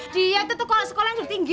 dia itu sekolah sekolah yang cukup tinggi